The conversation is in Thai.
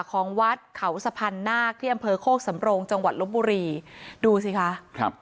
ของวัดเขาสะพันธ์นาคที่อำเภอโคกสำโรงจังหวัดลบบุรีดูสิคะครับ